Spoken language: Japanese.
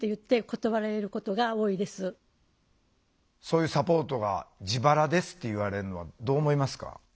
そういうサポートが「自腹です」って言われるのはどう思いますか？